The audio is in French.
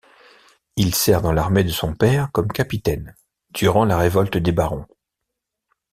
Il sert dans l'armée de son père comme capitaine durant la révolte des barons.